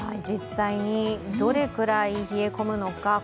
実際にどれくらい冷え込むのか